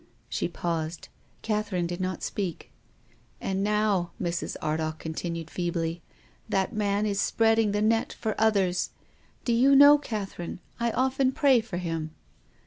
She paused. Catherine did not speak. " And now," Mrs. Ardagh continued feebly, "that man is spreading the net for others. Do you know, Catherine, I often pray for him